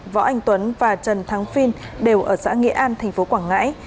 võ anh tuấn và trần thắng phiên đều ở xã nghĩa an tp quảng ngãi